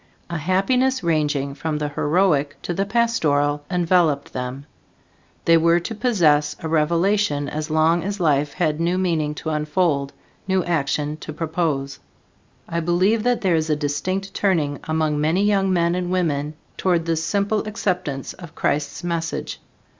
A happiness ranging from the heroic to the pastoral enveloped them. They were to possess a revelation as long as life had new meaning to unfold, new action to propose. I believe that there is a distinct turning among many young men and women toward this simple acceptance of Christ's message.